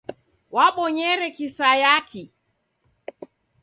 Wabonyere kisayaki?